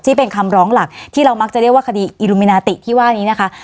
ที่เป็นคำร้องหลักที่เรามักจะเรียกว่าคดีอิรุมินาติที่ว่านี้นะคะ